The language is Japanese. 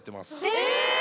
え！